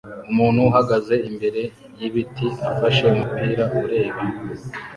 Umuntu uhagaze imbere yibiti afashe umupira ureba